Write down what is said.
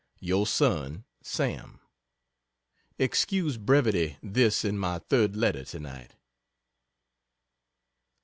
Your Son SAM Excuse brevity this is my 3rd letter to night.